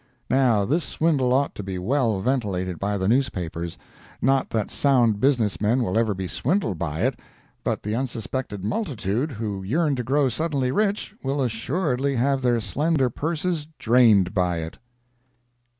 Now this swindle ought to be well ventilated by the newspapers—not that sound business men will ever be swindled by it, but the unsuspecting multitude, who yearn to grow suddenly rich, will assuredly have their slender purses drained by it.